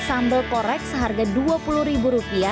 sambal korek seharga rp dua puluh